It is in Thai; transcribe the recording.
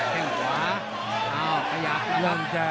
เค้งขวาเอ้ากระหยักแล้วครับ